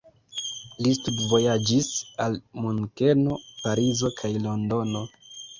Li studvojaĝis al Munkeno, Parizo kaj Londono.